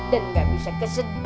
dan gak bisa kesedut